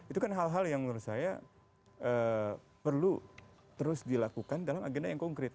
itu kan hal hal yang menurut saya perlu terus dilakukan dalam agenda yang konkret